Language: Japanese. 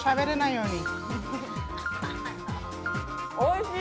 おいしい！